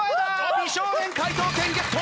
美少年解答権ゲット。